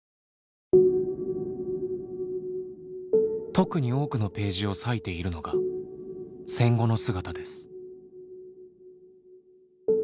特に多くのページを割いているのが戦後の姿です。